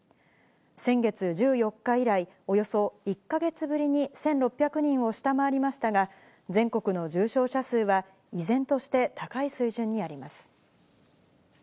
先月１４日以来、およそ１か月ぶりに１６００人を下回りましたが、全国の重症者数は、依然として高い水準にあります。